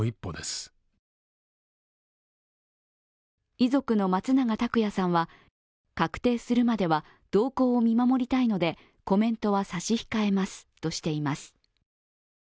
遺族の松永拓也さんは、確定するまでは動向を見守りたいのでコメントは差し控えますとしています。